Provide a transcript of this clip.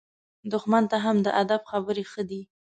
دښمن ته هم د ادب خبرې ښه دي.